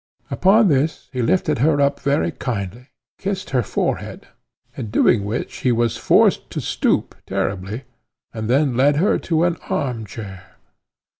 Upon this he lifted her up very kindly, kissed her forehead, in doing which he was forced to stoop terribly, and then led her to an arm chair.